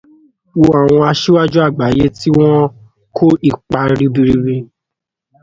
Wo àwọn aṣíwájú àgbáyé tí wọ́n ń ko ipa ribiribi.